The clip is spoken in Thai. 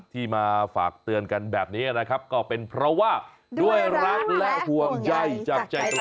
ที่มาฝากเตือนกันแบบนี้นะครับก็เป็นเพราะว่า